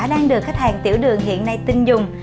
đang được khách hàng tiểu đường hiện nay tin dùng